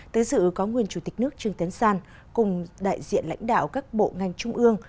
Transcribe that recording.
từ sự có nguyên chủ tịch nước trương tiến san cùng đại diện lãnh đạo các bộ ngành trung ương